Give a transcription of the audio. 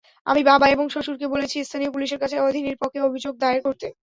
আমি বাবা এবং শ্বশুরকে বলেছি, স্থানীয় পুলিশের কাছে আধিনির পক্ষে অভিযোগ দায়ের করতে।